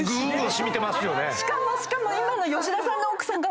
しかもしかも今の。